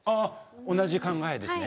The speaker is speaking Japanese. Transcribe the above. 同じ考えですね